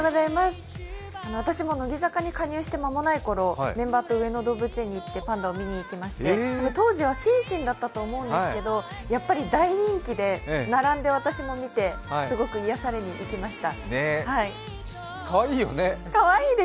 私も乃木坂に加入して間もないころ、メンバーと上野動物園に行ってパンダを見に行って、当時はシンシンだったと思うんですけどやっぱり大人気で並んで私も見てすごく癒やされに行きました。